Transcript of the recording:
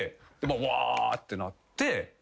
わーってなって。